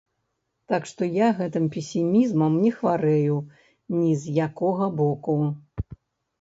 Так што, я гэтым песімізмам не хварэю ні з якога боку.